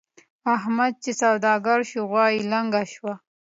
احمد چې سوداګر شو؛ غوا يې لنګه شوه.